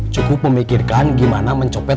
cukup memikirkan gimana mencopet